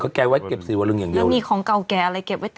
เขาแก้ไว้เก็บสีวรึงอย่างเดียวเลย